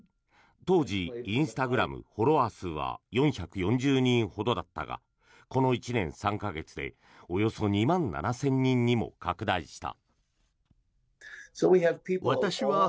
当時、インスタグラムフォロワー数は４４０人ほどだったがこの１年３か月でおよそ２万７０００人にも拡大した。